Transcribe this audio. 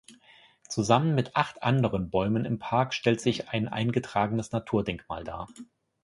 Zusammen mit acht anderen Bäumen im Park stellt sie ein eingetragenes Naturdenkmal dar.